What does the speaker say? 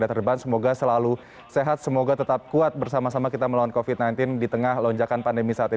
terima kasih prof zubairi